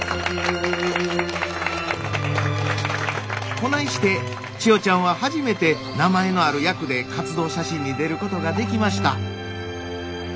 こないして千代ちゃんは初めて名前のある役で活動写真に出ることができました。